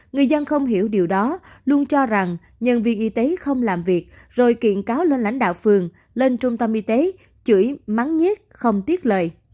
người dân không hiểu điều đó luôn cho rằng nhân viên y tế không làm việc rồi kiện cáo lên lãnh đạo phường lên trung tâm y tế chửi mắng nhét không tiếc lời